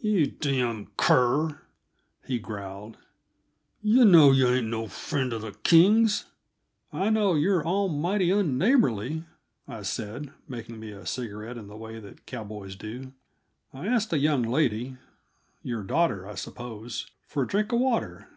"You damn' cur," he growled, "yuh know yuh ain't no friend uh the Kings." "I know you're all mighty unneighborly," I said, making me a cigarette in the way that cowboys do. "I asked a young lady your daughter, I suppose for a drink of water.